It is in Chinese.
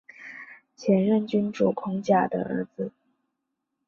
前任君主孔甲的儿子。